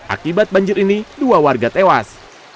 akibat banjir ini dua warga tewas